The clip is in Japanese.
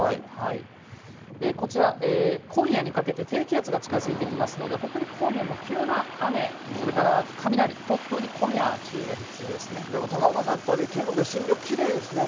こちら、今夜にかけて、低気圧が近づいてきますので、北陸方面も急な雨、それから雷、でも高岡さん、やっぱり、兼六園、新緑、きれいですね。